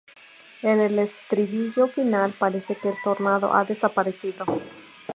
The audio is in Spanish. En el estribillo final, parece que el "tornado" ha desaparecido.